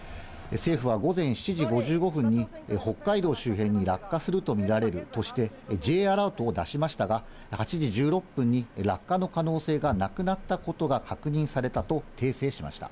政府は午前７時５５分に北海道周辺に落下するとみられるとして、Ｊアラートを出しましたが８時１６分に落下の可能性がなくなったことが確認されたと訂正しました。